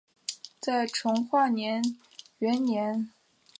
他在成化元年嗣封楚王。